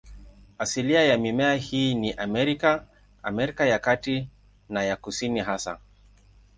Asilia ya mimea hii ni Amerika, Amerika ya Kati na ya Kusini hasa.